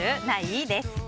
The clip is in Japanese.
ない？です。